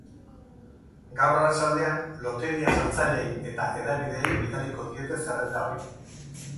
Gaur arratsaldean, loteria saltzaileei eta hedabideei bidaliko diete zerrenda hori.